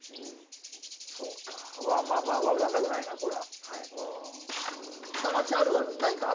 そうかまあまあわかんなくないなこれは。